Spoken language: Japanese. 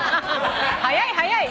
早い早い。